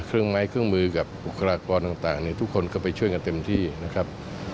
เครื่องไม้เครื่องมือกับอุคลากรต่างทุกคนก็ไปช่วยกันเต็มที่นะครับ